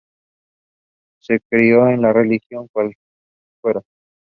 Se crio en la religión cuáquera.